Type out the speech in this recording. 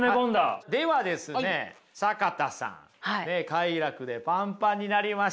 快楽でパンパンになりました。